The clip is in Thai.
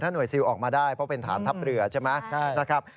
ถ้าหน่วยซิลออกมาได้เพราะเป็นฐานทัพเรือใช่ไหม